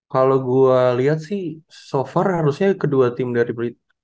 kalo gua liat sih so far harusnya kedua tim dari british